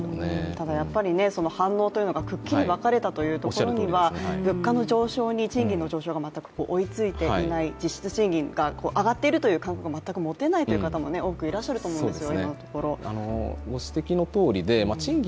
ただ、反応というのがくっきり分かれたというところには物価の上昇に賃金の上昇が全く追いついていない、実質賃金が上がっているという感覚が全く持てないという方も多くいらっしゃると思うんですよ、今のところ賃金